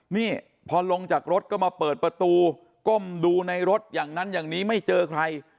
นี่พอลงจากรถก็มาเปิดประตูก้มดูในรถอย่างนั้นอย่างนี้ไม่เจอใคร